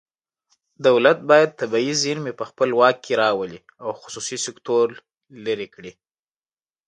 دولت باید طبیعي زیرمې په خپل واک کې راولي او خصوصي سکتور لرې کړي